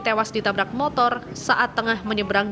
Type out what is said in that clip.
tewas ditabrak motor saat tengah menyeberang